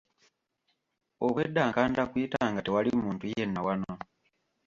Obweda nkanda kuyita nga tewali muntu yenna wano?